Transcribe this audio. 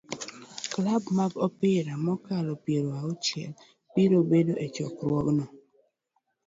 Klab mag opira mokalo piero auchiel biro bedo e chokruogno